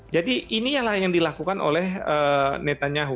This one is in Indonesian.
jadi inilah yang dilakukan oleh netanyahu